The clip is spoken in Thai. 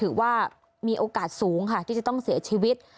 ถือว่ามีโอกาสสูงค่ะที่จะต้องเสียชีวิต